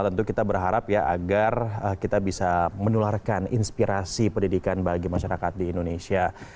tentu kita berharap ya agar kita bisa menularkan inspirasi pendidikan bagi masyarakat di indonesia